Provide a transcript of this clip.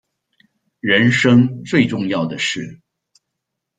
人生最重要的事